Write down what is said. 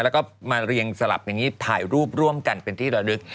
แล้วก็มาเรียงสลับอย่างนี้ถ่ายรูปร่วมกันเป็นที่ระลึก